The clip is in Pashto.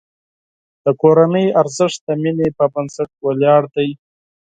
د کورنۍ ارزښت د مینې په بنسټ ولاړ دی.